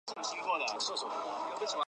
最后投奔杜弢。